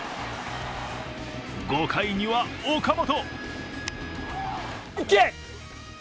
５回には岡本。